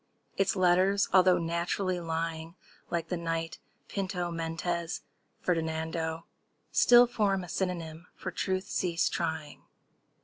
Its letters, although naturally lying Like the knight Pinto—Mendez Ferdinando— Still form a synonym for Truth—Cease trying!